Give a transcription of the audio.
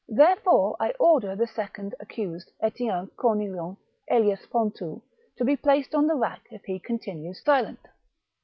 Therefore I order the second accused, Etienne Cornillant, alias Pontou, to be placed on the rack if he continues silent.